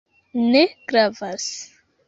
Ne gravas.